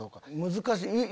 難しい？